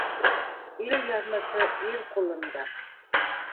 Ил яҙмышы ир ҡулында.